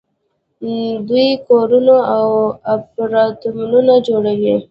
دوی کورونه او اپارتمانونه جوړوي.